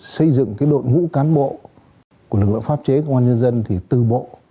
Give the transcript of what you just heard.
xây dựng đội ngũ cán bộ của lực lượng pháp chế công an nhân dân thì từ bộ